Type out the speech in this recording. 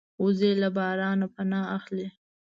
وزې له باران نه پناه اخلي